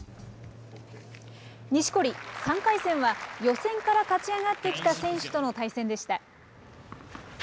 錦織、３回戦は予選から勝ち上がってきた選手との対戦でした。